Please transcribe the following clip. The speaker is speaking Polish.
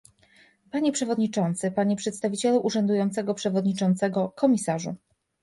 Panie przewodniczący, panie przedstawicielu urzędującego przewodniczącego, komisarzu